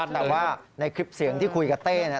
แต่ว่าในคลิปเสียงที่คุยกับเต้เนี่ย